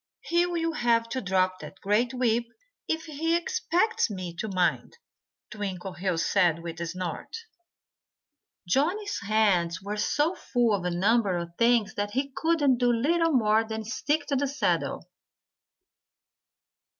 "He'll have to drop that great whip if he expects me to mind," Twinkleheels said with a snort. Johnnie's hands were so full of a number of things that he could do little more than stick to the saddle.